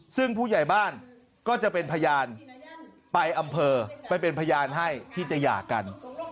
ซึ่งผู้ใหญ่บ้านก็จะเป็นพยานไปอำเภอไปเป็นพยานให้ที่จะหย่ากัน